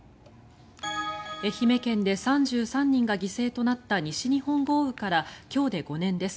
愛媛県で３３人が犠牲となった西日本豪雨から今日で５年です。